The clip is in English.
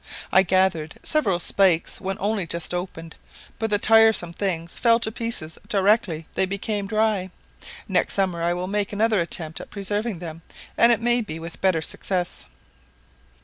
I gathered several spikes when only just opened, but the tiresome things fell to pieces directly they became dry. Next summer I will make another attempt at preserving them, and it may be with better success.